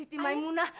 siti main munah